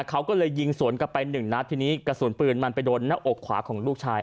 เขาก็เลยยิงสวนกลับไปหนึ่งนัดทีนี้กระสุนปืนมันไปโดนหน้าอกขวาของลูกชาย